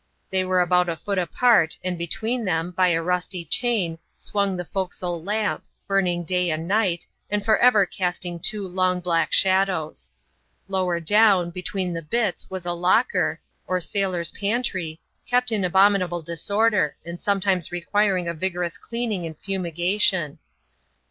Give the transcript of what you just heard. They were about a foot apart, and between them, by a rusty chain, swung the forecastle lamp, burning day and night, and for ever casting two long black shadows. Lower down, between the bitts, was a locker, or sailors' pantry, kept in abominable disorder, and sometimes requiring a vigorous cleaning and fumigation.